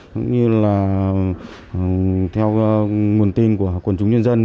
cũng như là theo nguồn tin của quần chúng nhân dân